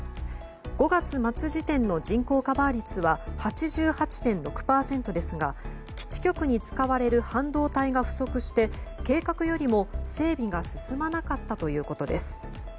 ５月末時点の人口カバー率は８８．６％ですが基地局に使われる半導体が不足して、計画より整備が進まなかったということです。